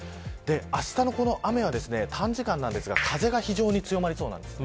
あしたの雨は短時間なんですが風が非常に強まりそうです。